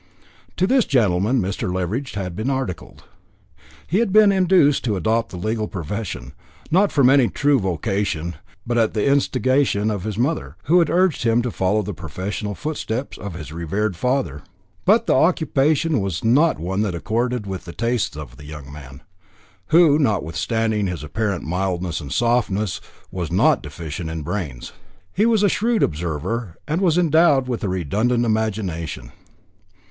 To this gentleman Mr. Leveridge had been articled. He had been induced to adopt the legal profession, not from any true vocation, but at the instigation of his mother, who had urged him to follow in the professional footsteps of his revered father. But the occupation was not one that accorded with the tastes of the young man, who, notwithstanding his apparent mildness and softness, was not deficient in brains. He was a shrewd observer, and was endowed with a redundant imagination.